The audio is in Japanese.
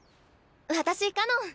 私かのん。